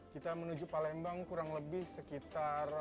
kita menuju palembang kurang lebih sekitar